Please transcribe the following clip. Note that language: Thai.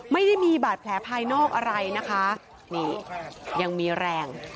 ไม่ได้มีบาดแผลภายนอกอะไรนะคะนี่ยังมีแรง